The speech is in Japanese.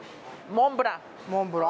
モンブラン